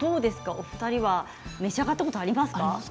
お二人は召し上がったことありますか？